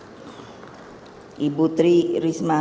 bapak ibu tri risma menteri kesehatan